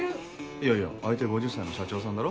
いやいや相手５０歳の社長さんだろ。